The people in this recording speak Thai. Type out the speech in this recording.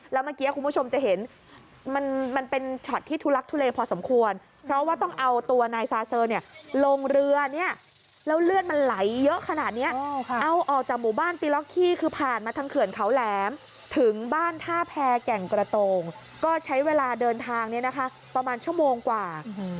แล้วเมื่อกี้คุณผู้ชมจะเห็นมันเป็นช็อตที่ทุลักทุเลพอสมควรเพราะว่าต้องเอาตัวนายซาเซอร์เนี่ยลงเรือเนี่ยแล้วเลือดมันไหลเยอะขนาดนี้เอาออกจากหมู่บ้านปีล็อกขี้คือผ่านมาทางเขื่อนเขาแหลมถึงบ้านท่าแพรแก่งกระโตงก็ใช้เวลาเดินทางเนี่ยนะคะประมาณชั่วโมงกว่า